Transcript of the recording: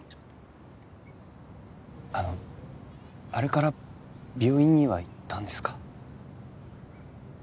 あのあれから病院には行ったんですか？